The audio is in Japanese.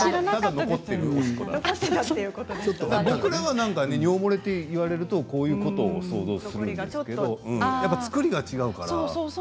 僕らはなんか尿漏れって言われるとこういうことを想像するんですけど作りが違うから。